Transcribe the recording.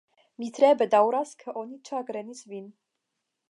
Mi tre bedaŭras ke oni ĉagrenis vin.